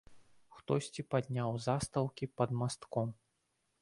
Хтосьці падняў застаўкі пад мастком.